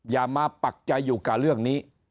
อย่ามาปักใจอยู่กับเรื่องนี้